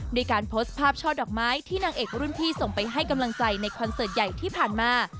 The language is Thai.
ด้วยการโพสต์ภาพช่อดอกไม้ที่นางเอกรุ่นพี่ส่งไปให้กำลังใจในคอนเสิร์ตใหญ่ที่ผ่านมา